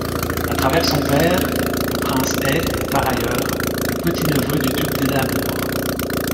À travers son père, le prince est, par ailleurs, le petit-neveu du duc d'Édimbourg.